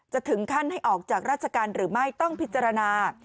จะถึงขั้นให้ออกจากราชการหรือไม่ต้องพิจารณา